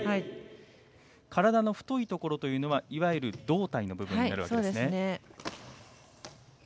体の太いところというのはいわゆる胴体の部分ですね。